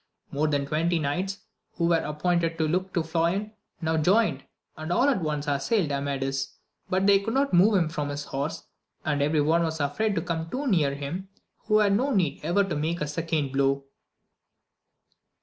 More than twenty knights, who were appointed to look to Floyan, now joined, and all at once assailed Amadis, but they could not move him from his horse, and every one was afraid to come too near him, who had no need ever to make a second blow.